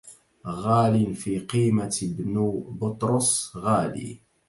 غال في قيمة ابن بطرس غالي